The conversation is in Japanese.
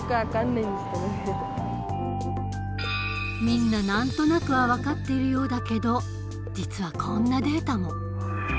みんな何となくは分かっているようだけど実はこんなデータも。